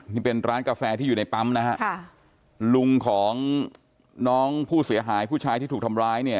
นี่เป็นร้านกาแฟที่อยู่ในปั๊มนะฮะค่ะลุงของน้องผู้เสียหายผู้ชายที่ถูกทำร้ายเนี่ย